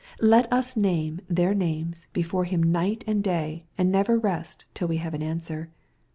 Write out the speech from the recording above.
Let us name their names before Him night and day, and never rest till we have an answer.